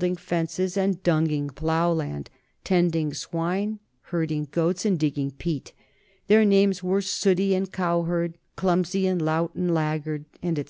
THE COMING OF THE NORTHMEN 39 fences, dunging plowland, tending swine, herding goats, and digging peat. Their names were Sooty and Cowherd, Clumsy and Lout and Laggard, etc.